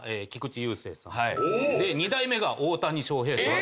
２代目が大谷翔平さん。